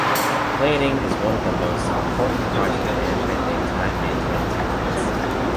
Planning is one of the most important project management and time management techniques.